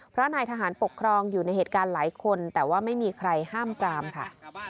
เพราะนายทหารปกครองอยู่ในเหตุการณ์หลายคนแต่ว่าไม่มีใครห้ามกรามค่ะ